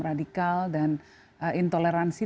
radikal dan intoleransi